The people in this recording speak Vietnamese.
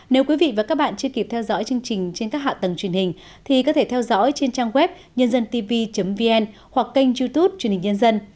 nếu quý vị và các bạn chưa kịp theo dõi chương trình trên các hạ tầng truyền hình thì có thể theo dõi trên trang web nhândântv vn hoặc kênh youtube truyền hình nhân dân